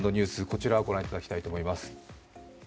こちらをご覧いただきたいと思います。